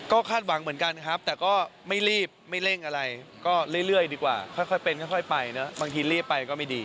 ก็คาดหวังเหมือนกันครับแต่ก็ไม่รีบไม่เร่งอะไรก็เรื่อยดีกว่าค่อยเป็นค่อยไปเนอะบางทีรีบไปก็ไม่ดี